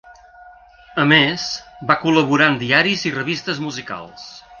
A més, va col·laborar en diaris i revistes musicals.